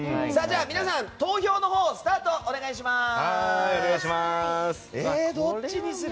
皆さん、投票のほうスタート、お願いします。